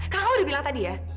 kamu udah bilang tadi ya